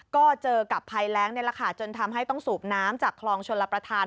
ก็เจอกับภัยแรงนี่แหละค่ะจนทำให้ต้องสูบน้ำจากคลองชลประธาน